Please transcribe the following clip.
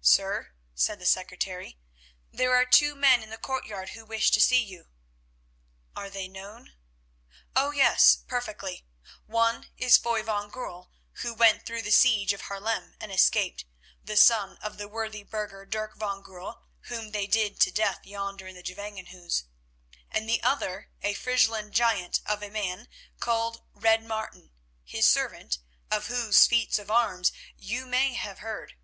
"Sir," said the secretary, "there are two men in the courtyard who wish to see you." "Are they known?" "Oh yes, perfectly. One is Foy van Goorl, who went through the siege of Haarlem and escaped, the son of the worthy burgher, Dirk van Goorl, whom they did to death yonder in the Gevangenhuis; and the other a Friesland giant of a man called Red Martin, his servant, of whose feats of arms you may have heard.